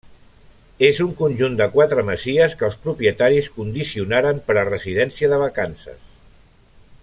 És un conjunt de quatre masies que els propietaris condicionaren per a residència de vacances.